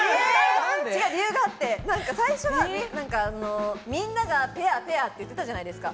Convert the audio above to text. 最初はみんながペア、ペアって言ってたじゃないですか。